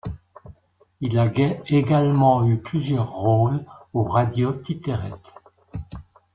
Il a également eu plusieurs rôles au Radioteateret.